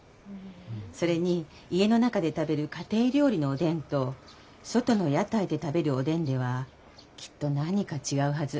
それに家の中で食べる家庭料理のおでんと外の屋台で食べるおでんではきっと何か違うはず。